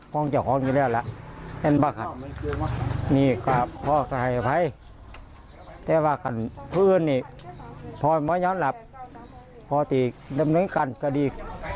พ่อไม่ยอมหลับพ่อตีดำเนี้ยกันก็ดี